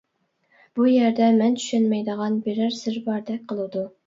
بۇ يەردە مەن چۈشەنمەيدىغان بىرەر سىر باردەك قىلىدۇ.